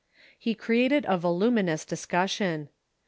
He created a voluminous discussion.